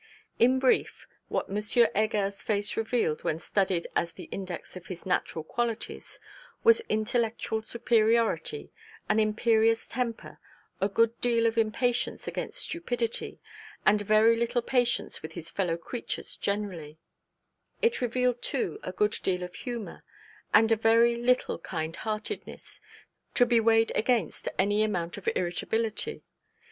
In brief, what M. Heger's face revealed when studied as the index of his natural qualities, was intellectual superiority, an imperious temper, a good deal of impatience against stupidity, and very little patience with his fellow creatures generally; it revealed too a good deal of humour; and a very little kind heartedness, to be weighed against any amount of irritability.